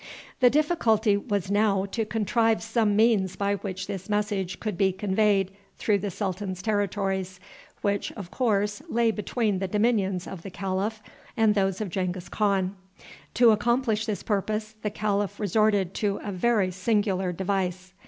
The difficulty was now to contrive some means by which this message could be conveyed through the sultan's territories, which, of course, lay between the dominions of the calif and those of Genghis Khan. To accomplish this purpose the calif resorted to a very singular device.